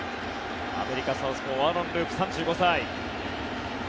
アメリカサウスポーアーロン・ループ、３５歳。